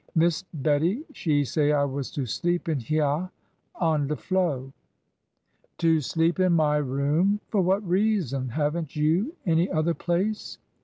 Miss Bettie she say I was to sleep in hyeah on de To sleep in my room! For what reason? Haven't you any other place